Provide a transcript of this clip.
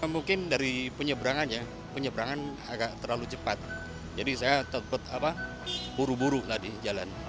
mungkin dari penyeberangannya penyeberangan agak terlalu cepat jadi saya buru buru tadi jalan